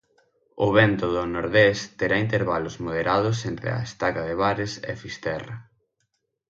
O vento do nordés terá intervalos moderados entre A Estaca de Bares e Fisterra.